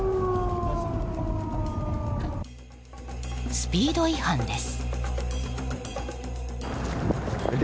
スピード違反です。